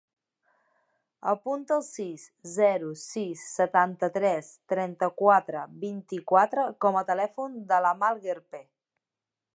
Apunta el sis, zero, sis, setanta-tres, trenta-quatre, vint-i-quatre com a telèfon de l'Amal Gerpe.